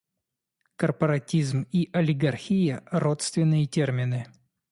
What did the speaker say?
Корпоратизм и олигархия - родственные термины.